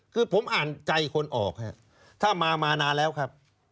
คือผมอ่านใจคนออกฮะถ้ามามานานแล้วครับ